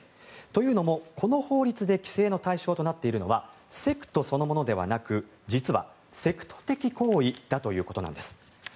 というのも、この法律で規制の対象となっているのはセクトそのものではなく実はセクト的行為ということなんです。